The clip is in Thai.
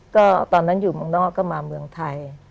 ก็ตอนนั้นอยู่เมืองนอกก็มาเมืองไทย